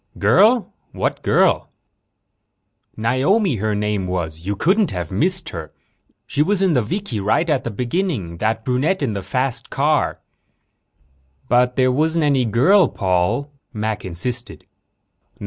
"Girl? What girl?" "Naomi, her name was," Paul said. "You couldn't miss her. She was in the vikie right at the beginning that brunette in the fast car." "But there wasn't any girl, Paul," Mac insisted.